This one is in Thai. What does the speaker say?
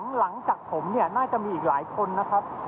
หลังจากผมเนี่ยน่าจะมีอีกหลายคนนะครับ